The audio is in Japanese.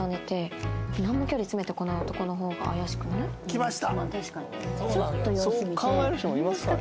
きました！